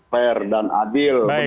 fair dan adil